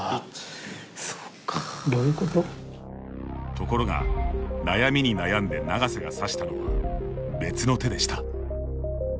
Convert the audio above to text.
ところが、悩みに悩んで永瀬が指したのは別の手でした。